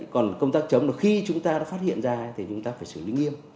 còn công tác chống là khi chúng ta đã phát hiện ra thì chúng ta phải xử lý nghiêm